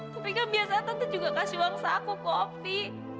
tapi gak biasa tanda juga kasih uang saku ke opi